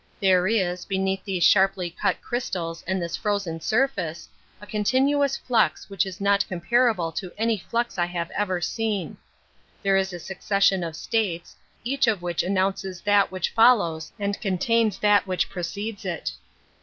There is, beneath these sharply cut crys tals and this frozen surface, a continuous flux which is not comparable to any flux I^v, have ever seen. There is a succession of states, each of which announces that which follows and contains that which precedes it.